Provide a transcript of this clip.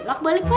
ah iya keserikaan